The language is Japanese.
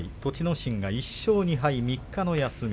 心が１勝２敗、３日の休み。